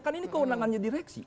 kan ini kewenangannya direksi